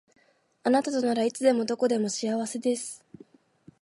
あなたとならいつでもどこでも幸せです